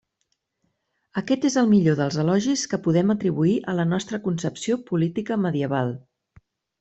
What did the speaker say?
Aquest és el millor dels elogis que podem atribuir a la nostra concepció política medieval.